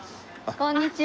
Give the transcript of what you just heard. こんにちは。